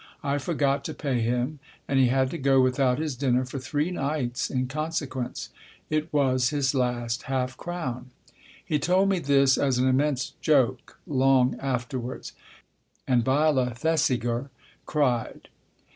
I forgot to pay him, and he had to go without his dinner for three nights in consequence. It was his last half crown. He told me this as an immense joke, long afterwards. And Viola Thesiger cried.